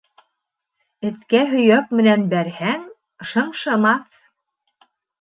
Эткә һөйәк менән бәрһәң, шыңшымаҫ.